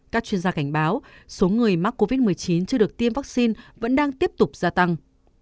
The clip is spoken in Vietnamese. các chuyên gia cảnh báo số người mắc covid một mươi chín chưa được tiêm vaccine vẫn đang tiếp tục gia tăng